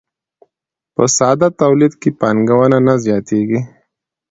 په ساده تولید کې پانګه نه زیاتېږي